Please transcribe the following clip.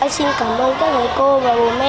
xin cảm ơn các người cô và bố mẹ